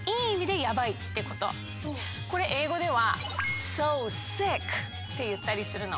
これ英語ではっていったりするの。